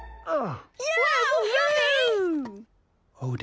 ああ。